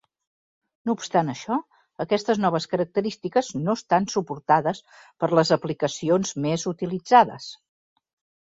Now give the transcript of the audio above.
No obstant això, aquestes noves característiques no estan suportades per les aplicacions més utilitzades.